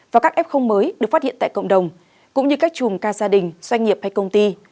và các f mới được phát hiện tại cộng đồng cũng như các chùm ca gia đình doanh nghiệp hay công ty